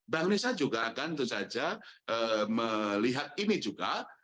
bank indonesia juga akan melihat ini juga